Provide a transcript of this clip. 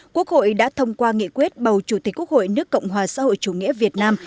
quốc hội đã thông qua nghị quyết bầu chủ tịch quốc hội nước cộng hòa xã hội chủ nghĩa việt nam